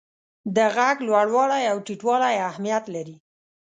د ږغ لوړوالی او ټیټوالی اهمیت لري.